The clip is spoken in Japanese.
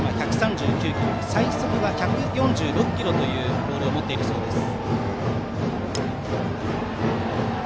最速は１４６キロというボールを持っているそうです。